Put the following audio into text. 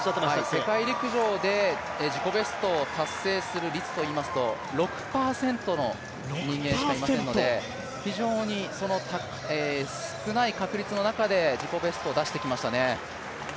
世界陸上で自己ベストを達成する率でいいますと６％の人間しかいませんので、非常に少ない確率の中で自己ベストを出してきましたね。